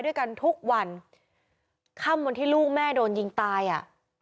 ด้วยกันทุกวันค่ำวันที่ลูกแม่โดนยิงตายอ่ะ